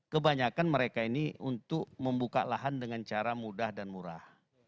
kebanyakan mereka ini untuk membuka lahan dengan cara mudah dan murah